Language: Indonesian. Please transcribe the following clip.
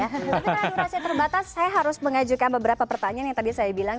tapi karena durasi terbatas saya harus mengajukan beberapa pertanyaan yang tadi saya bilang